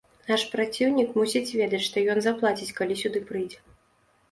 Наш праціўнік мусіць ведаць, што ён заплаціць, калі сюды прыйдзе.